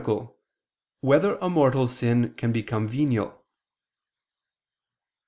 6] Whether a Mortal Sin Can Become Venial?